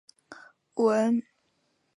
文秀雅为人熟知。